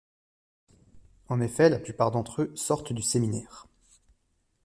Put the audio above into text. En effet, la plupart d’entre eux sortent du séminaire.